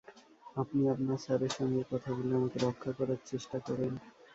আপনি আপনার স্যারের সঙ্গে কথা বলে আমাকে রক্ষা করার চেষ্টা করেন।